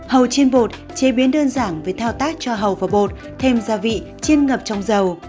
hầu chim bột chế biến đơn giản với thao tác cho hầu và bột thêm gia vị chiên ngập trong dầu